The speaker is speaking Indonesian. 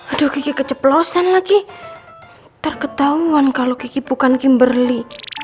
aduh gigi keceplosan lagi terketahuan kalau gigi bukan kimberly